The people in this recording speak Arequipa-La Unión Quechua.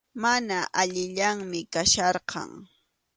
Mana allinllañam kachkarqan.